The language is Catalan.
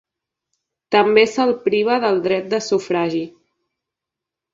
També se'l priva del dret de sufragi.